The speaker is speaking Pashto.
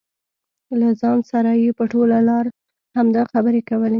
له ځان سره یې په ټوله لار همدا خبرې کولې.